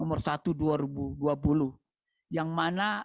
yang mana teman teman